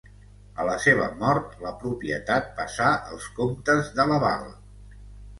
A la seva mort, la propietat passà als Comtes de Laval.